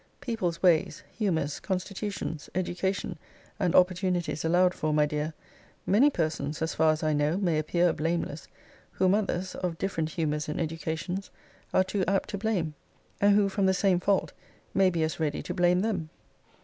People's ways, humours, constitutions, education, and opportunities allowed for, my dear, many persons, as far as I know, may appear blameless, whom others, of different humours and educations, are too apt to blame; and who, from the same fault, may be as ready to blame them.